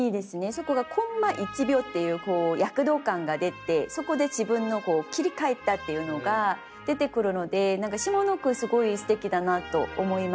そこが「コンマ１秒」っていう躍動感が出てそこで自分の切り替えたっていうのが出てくるので下の句すごいすてきだなと思いました。